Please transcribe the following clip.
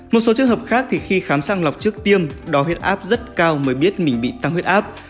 một số trường hợp khác thì khi khám sang lọc trước tiêm đo huyết áp rất cao mới biết mình bị tăng huyết áp